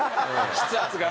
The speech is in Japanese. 筆圧が？